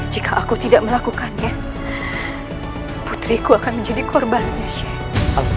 jika aku tidak melakukannya putriku akan menjadi korbannya sheikh